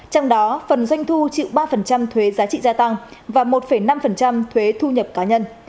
trong đó phần doanh thu chịu ba thuế giá trị gia tăng và một năm thuế thu nhập cá nhân